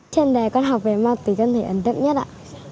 trên đề con học về ma túy cân thể ẩn tượng nhất ạ